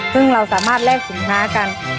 ซึ่งเราสามารถแลกสินค้ากัน